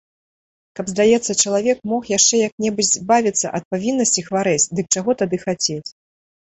Каб, здаецца, чалавек мог яшчэ як-небудзь збавіцца ад павіннасці хварэць, дык чаго тады хацець.